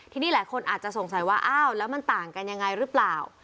ทีนี้หลายคนอาจจะสงสัยว่าอ้าวแล้วมันต่างกันยังไงหรือเปล่า